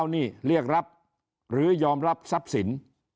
นี่เรียกรับหรือยอมรับทรัพย์สิน